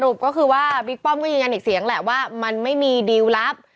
สรุปก็คือว่าวิกป้อมก็ยังเคยยั้นแหน็กเสียงแหละแหละว่ามันไม่มีดิลลับ